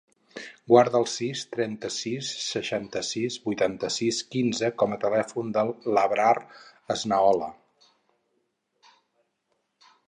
Guarda el sis, trenta-sis, seixanta-sis, vuitanta-sis, quinze com a telèfon de l'Abrar Esnaola.